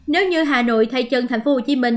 nếu như hà nội thay chân thành phố hồ chí minh